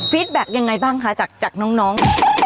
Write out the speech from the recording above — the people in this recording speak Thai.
แบ็คยังไงบ้างคะจากน้อง